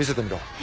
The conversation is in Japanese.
え。